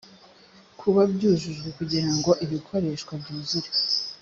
kuba byujujwe kugira ngo ibikoreshwa byuzure